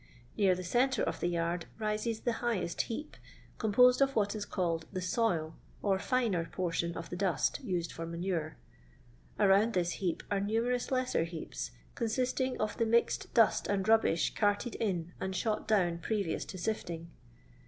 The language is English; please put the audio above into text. Near the centra of the yard rises the highest heap, composed of what is called the " soil,'' or finer portion of the dust used for manure. Around this heap are numerous lesser heaps, consisting of the mixed dust and rubbish carted in and shot down previous to sifting.